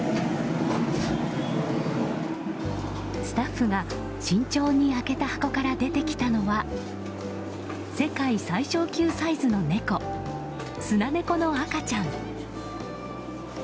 スタッフが慎重に開けた箱から出てきたのは世界最小級サイズの猫スナネコの赤ちゃん。